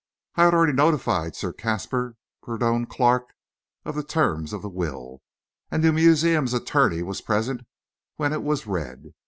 I had already notified Sir Caspar Purdon Clarke of the terms of the will, and the museum's attorney was present when it was read.